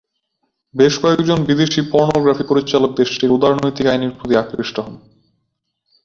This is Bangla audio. বেশ কয়েকজন বিদেশী পর্নোগ্রাফি পরিচালক দেশটির উদারনৈতিক আইনের প্রতি আকৃষ্ট হন।